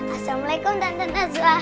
assalamualaikum tante najwa